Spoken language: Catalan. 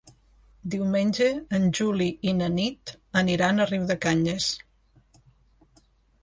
Diumenge en Juli i na Nit aniran a Riudecanyes.